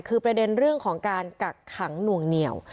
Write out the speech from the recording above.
คือประเด็นเรื่องของการกักขังหน่วงเหนียว